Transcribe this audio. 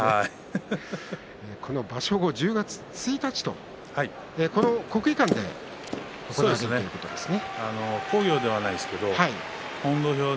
この場所後、１０月１日国技館で行うということですね。